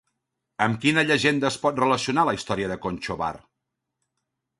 Amb quina llegenda es pot relacionar la història de Conchobar?